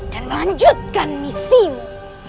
dan melanjutkan misimu